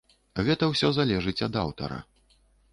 Гэта ўсё залежыць ад аўтара.